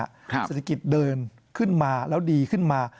ครับศัตริกิจเดินขึ้นมาแล้วดีขึ้นมา